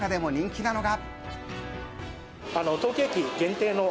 中でも人気なのが。